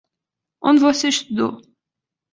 Onde você estudou?